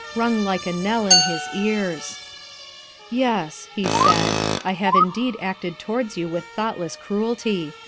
rung like a knell in his ears. 'Yes,' he said, 'I have indeed acted towards you with thoughtless cruelty.